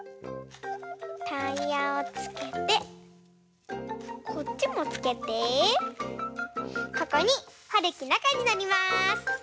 タイヤをつけてこっちもつけてここにはるきなかにのります！